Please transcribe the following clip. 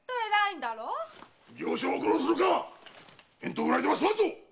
奉行所を愚弄するか⁉遠島ぐらいでは済まんぞ！